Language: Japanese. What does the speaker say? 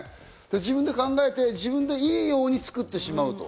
自分で考えて、自分でいいように作ってしまうと。